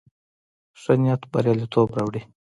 ښه نيت برياليتوب راوړي.